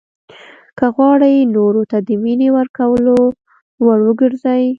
که غواړئ نورو ته د مینې ورکولو وړ وګرځئ.